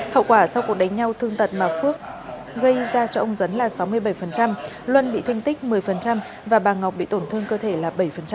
hậu quả sau cuộc đánh nhau thương tật mà phước gây ra cho ông dấn là sáu mươi bảy luân bị thanh tích một mươi và bà ngọc bị tổn thương cơ thể là bảy